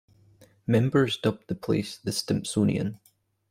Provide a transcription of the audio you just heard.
Members dubbed the place The Stimpsonian.